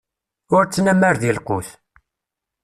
Ur ttnamar di lqut!